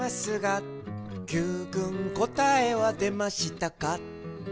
「Ｑくんこたえはでましたか？」